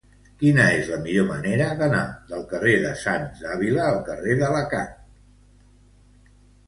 Quina és la millor manera d'anar del carrer de Sancho de Ávila al carrer d'Alacant?